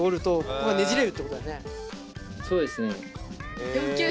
そうですね。